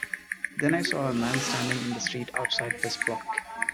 Then I saw a man standing in the street outside this block.